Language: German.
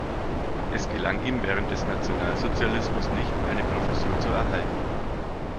Es gelang ihm während des Nationalsozialismus nicht, eine Professur zu erhalten.